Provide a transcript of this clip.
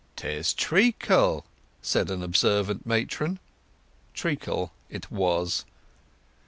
"'Tis treacle," said an observant matron. Treacle it was.